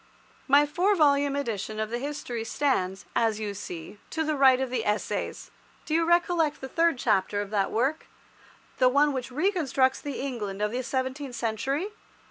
My four volume edition of the History stands, as you see, to the right of the Essays. Do you recollect the third chapter of that work—the one which reconstructs the England of the seventeenth century?